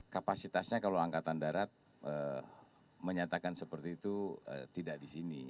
kapasitasnya kalau angkatan darat menyatakan seperti itu tidak di sini